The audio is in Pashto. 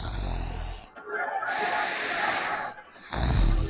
چلېدل یې په مرغانو کي امرونه٫